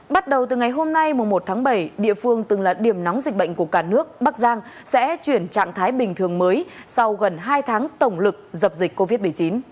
bắt đầu từ ngày hôm nay một tháng bảy địa phương từng là điểm nóng dịch bệnh của cả nước bắc giang sẽ chuyển trạng thái bình thường mới sau gần hai tháng tổng lực dập dịch covid một mươi chín